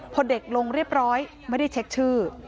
พอเด็กลงเรียบร้อยไม่ได้เช็คชื่อ